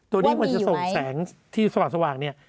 ตัวนี้มันจะส่งแสงที่สว่างเนี่ย